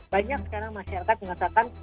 banyak sekarang masyarakat mengatakan